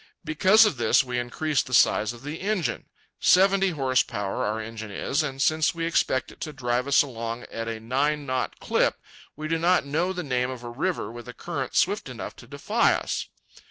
Because of this, we increased the size of the engine. Seventy horse power our engine is, and since we expect it to drive us along at a nine knot clip, we do not know the name of a river with a current swift enough to defy us.